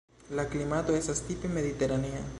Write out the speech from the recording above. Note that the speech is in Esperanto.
La klimato estas tipe mediteranea.